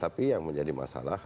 tapi yang menjadi masalah